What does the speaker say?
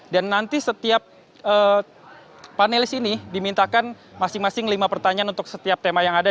dan nanti setiap panelis ini dimintakan masing masing lima pertanyaan untuk setiap tema yang ada